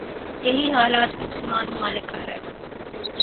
یہی حال آج کے مسلمان ممالک کا ہے ۔